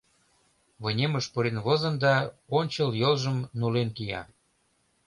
Вынемыш пурен возын да ончыл йолжым нулен кия.